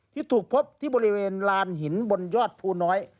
ที่ถูกพบที่บริเวณลานหินบนยอดภูน้อย